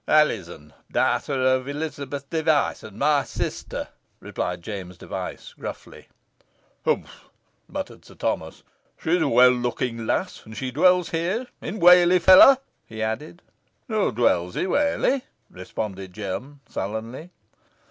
"Alizon, dowter of Elizabeth Device, an mey sister," replied James Device, gruffly. "Humph!" muttered Sir Thomas, "she is a well looking lass. And she dwells here in Whalley, fellow?" he added. "Hoo dwells i' Whalley," responded Jem, sullenly.